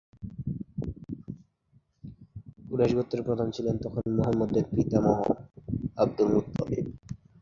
কুরাইশ গোত্রের প্রধান ছিল তখন মুহাম্মাদের পিতামহ আব্দুল মুত্তালিব।